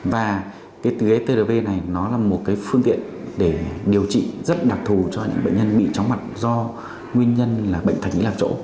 và cái ghế trv này nó là một cái phương tiện để điều trị rất đặc thù cho những bệnh nhân bị tróng mặt do nguyên nhân là bệnh thạch nhĩ lạc chỗ